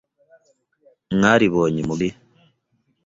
Mwaribonye i Mugari